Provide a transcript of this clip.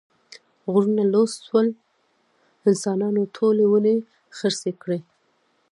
غرونه لوڅ شول، انسانانو ټولې ونې خرڅې کړې.